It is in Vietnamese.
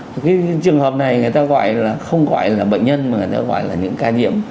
cái trường hợp này người ta gọi là không gọi là bệnh nhân mà người ta gọi là những ca nhiễm